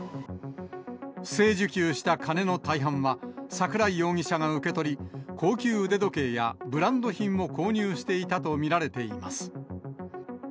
不正受給した金の大半は、桜井容疑者が受け取り、高級腕時計やブランド品などを購入していたと見られています。